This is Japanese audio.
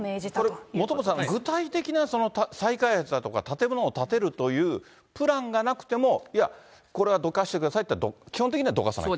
これ、本村さん、具体的な再開発だとか、建物を建てるというプランがなくても、いや、これはどかしてくださいとなったら、基本的にはどかさないと。